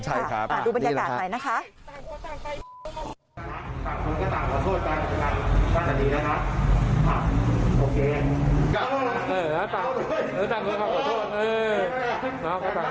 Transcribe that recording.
ใช่ครับดูบรรยากาศหน่อยนะคะ